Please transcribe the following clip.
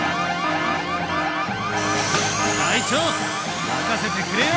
隊長任せてくれよ！